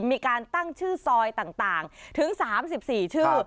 มีการตั้งชื่อซอยต่างถึง๓๔ชื่อ